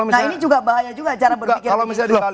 nah ini juga bahaya juga cara berpikirnya